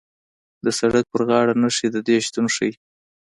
د سړک په غاړه نښې د دې شتون ښیي